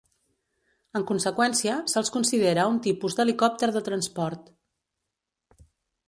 En conseqüència, se"ls considera un tipus d"helicòpter de transport.